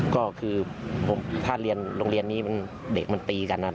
ก็คือถ้าเรียนโรงเรียนนี้เด็กมันตีกันนะครับ